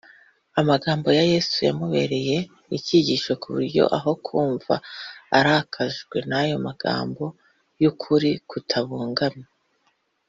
Amagambo ya Yesu yamubereye icyigisho ku buryo aho kumva arakajwe n’ayo magambo y’ukuri kutabogamye